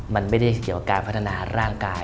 มันไม่ได้เกี่ยวกับการพัฒนาร่างกาย